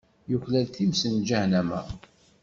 Yuklal times n Ǧahennama.